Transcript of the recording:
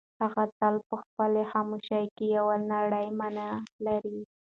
هغه تل په خپلې خاموشۍ کې یوه نړۍ مانا لري.